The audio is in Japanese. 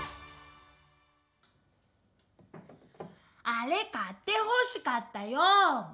あれ買ってほしかったよう！